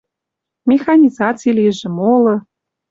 Механизаци лижӹ, молы.